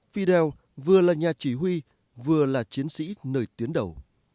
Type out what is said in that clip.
fidel vừa là nhà chỉ huy vừa là chiến sĩ nơi tuyến đầu